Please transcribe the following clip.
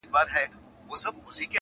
• چي آزاد له پنجرو سي د ښکاریانو -